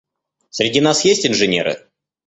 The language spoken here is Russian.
Среди нас есть инженеры?